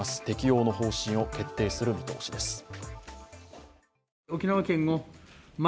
適用の方針を決定する見通しです。